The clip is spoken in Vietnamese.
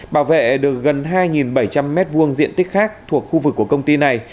bảo vệ được gần hai bảy trăm linh m hai diện tích khác thuộc khu vực của công ty này